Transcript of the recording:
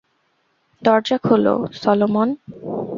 দরজা খোলো, সলোমন!